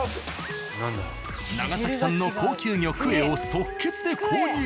長崎産の高級魚クエを即決で購入。